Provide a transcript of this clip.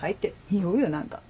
臭うよ何か。